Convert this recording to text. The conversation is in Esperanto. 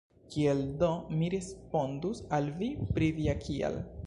Kiel do mi respondus al vi pri via “kial”?